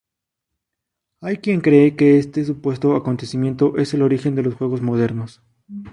Hay quien cree que este supuesto acontecimiento es el origen de los juegos modernos.